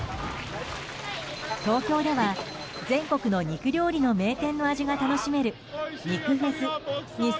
東京では、全国の肉料理の名店の味が楽しめる肉フェス２０２２